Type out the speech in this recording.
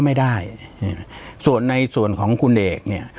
ปากกับภาคภูมิ